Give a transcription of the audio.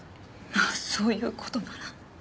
まあそういう事なら。